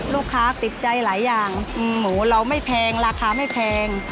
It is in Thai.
ลูกค้าติดใจหลายอย่างหมูเราไม่แพงราคาไม่แพง